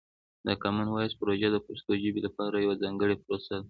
د کامن وایس پروژه د پښتو ژبې لپاره یوه ځانګړې پروسه ده.